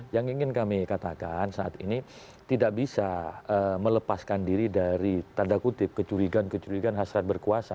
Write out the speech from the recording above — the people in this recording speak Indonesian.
yang ingin kami katakan saat ini tidak bisa melepaskan diri dari tanda kutip kecurigaan kecurigaan hasrat berkuasa